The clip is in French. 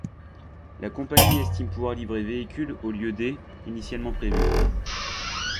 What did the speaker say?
La compagnie estime pouvoir livrer véhicules au lieu des initialement prévus.